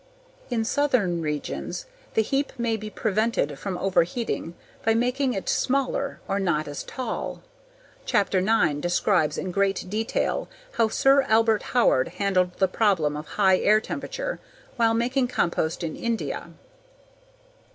In southern regions the heap may be prevented from overheating by making it smaller or not as tall. Chapter Nine describes in great detail how Sir Albert Howard handled the problem of high air temperature while making compost in India.